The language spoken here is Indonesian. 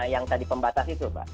yang tadi pembatas itu pak